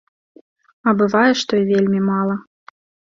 А бывае, што і вельмі мала.